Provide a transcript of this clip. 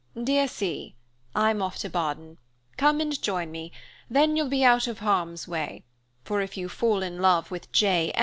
Dear C: I'm off to Baden. Come and join me, then you'll be out of harm's way; for if you fall in love with J.